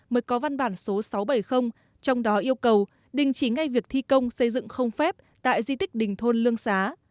mới có văn bản số sáu trăm bảy mươi trong đó yêu cầu đình chỉ ngay việc thi công xây dựng không phép tại di tích đình thôn lương xá